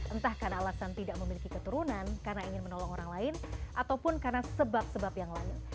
entah karena alasan tidak memiliki keturunan karena ingin menolong orang lain ataupun karena sebab sebab yang lain